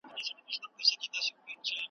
یوه ورخ توتکۍ والوته دباندي .